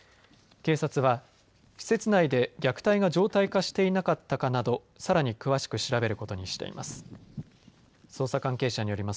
警察は施設内で虐待が常態化していなかったかなどさらに詳しく調べることにしています。